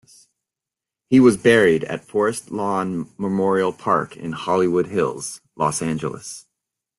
He was buried at Forest Lawn Memorial Park, in Hollywood Hills, Los Angeles.